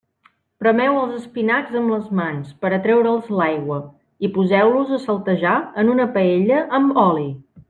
Premeu els espinacs amb les mans per a treure'ls l'aigua i poseu-los a saltejar en una paella amb oli.